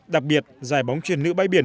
đặc biệt giải bóng truyền nữ bãi biển